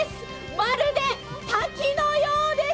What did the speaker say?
まるで滝のようです！